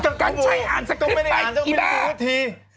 จำกัดใช้อ่านสักที